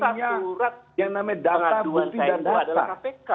pengaduan saya buat